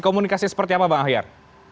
komunikasi seperti apa bang ahyar